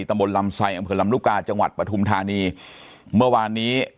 ตำบลลำไซอำเภอลำลูกกาจังหวัดปฐุมธานีเมื่อวานนี้